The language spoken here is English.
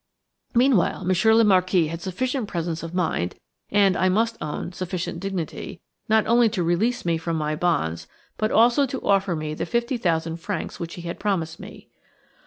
Meantime, Monsieur le Marquis had sufficient presence of mind, and, I must own, sufficient dignity, not only to release me from my bonds but also to offer me the fifty thousand francs which he had promised me.